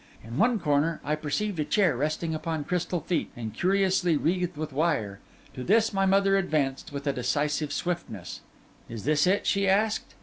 In one corner I perceived a chair resting upon crystal feet, and curiously wreathed with wire. To this my mother advanced with a decisive swiftness. 'Is this it?' she asked.